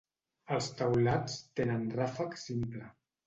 Els teulats tenen ràfec simple.